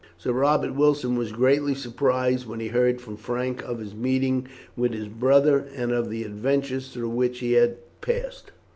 Sir Robert Wilson was greatly surprised when he heard from Frank of his meeting with his brother, and of the adventures through which he had passed.